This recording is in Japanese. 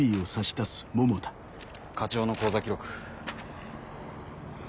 課長の口座記録。